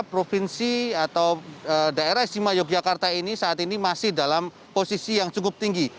provinsi atau daerah istimewa yogyakarta ini saat ini masih dalam posisi yang cukup tinggi